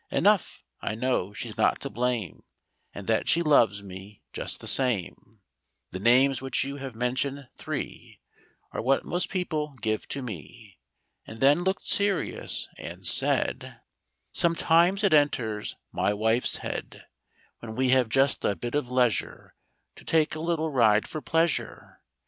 Enough, I know she's not to blame. And that she loves me just the same." Copyrighted, 1897 I HE names which you have mentioned, three, what most people give to me." then looked serious and said :— 1897. Copyrighted, Xf^OMETIMES it enters my wife's head, When we have just a bit of leisure, To take a little ride for pleasure.